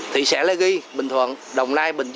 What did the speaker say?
thị xã lê ghi bình thuận